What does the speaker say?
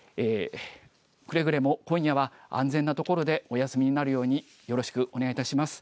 くれぐれも今夜は安全な所でお休みになるようによろしくお願いいたします。